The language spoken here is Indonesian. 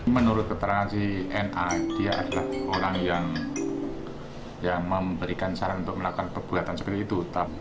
menurut keterangan si na dia adalah orang yang memberikan saran untuk melakukan perbuatan seperti itu